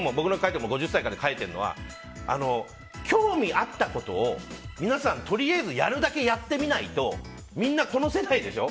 僕の書いた本でも興味あったことを皆さん、とりあえずやるだけやってみないとみんなこの世代でしょ。